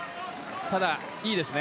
ただ、いいですね。